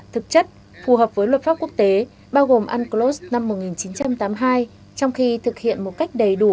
thực chất phù hợp với luật pháp quốc tế bao gồm unclos năm một nghìn chín trăm tám mươi hai trong khi thực hiện một cách đầy đủ